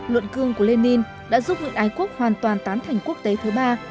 luận cương của lenin đã giúp nguyễn ái quốc hoàn toàn tán thành quốc tế thứ ba